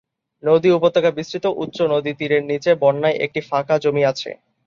নদী উপত্যকা বিস্তৃত, উচ্চ নদী তীরের নিচে বন্যার একটি ফাঁকা জমি আছে।